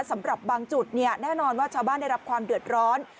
สำหรับบางจุดแน่นอนว่าชาวบ้านได้รับความเดือดร้อน